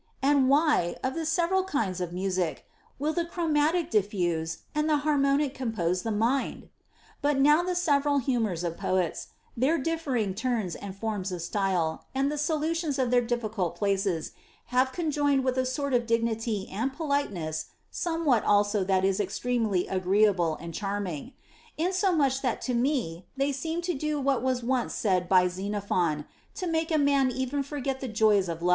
— and why, of the several kinds of music, will the chromatic diffuse and the harmonic compose the mind \ But now the several humors of poets, their differing turns and forms of style, and the solutions of their difficult places, have conjoined with a sort of dignity and politeness some what also that is extremely agreeable and charming ; in somuch that to me they seem to do what was once said by Xenophon, to make a man even forget the joys of ACCORDING TO EPICURUS. 1~°.